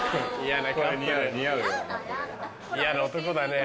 嫌な男だね。